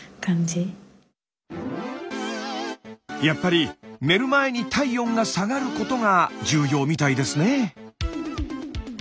やっぱり寝る前に体温が下がることが重要みたいですね。